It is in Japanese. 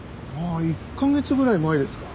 １カ月ぐらい前ですか。